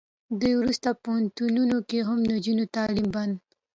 دوی ورسته پوهنتونونو کې هم د نجونو تعلیم بند